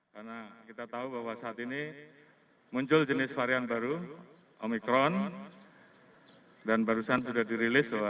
karena kita tahu bahwa saat ini muncul jenis varian baru omicron dan barusan sudah dirilis